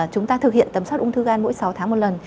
chúng ta thực hiện tầm soát ung thư gan mỗi sáu tháng một lần